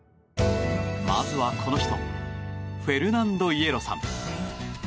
まずは、この人フェルナンド・イエロさん。